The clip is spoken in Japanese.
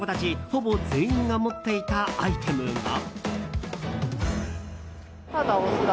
ほぼ全員が持っていたアイテムが。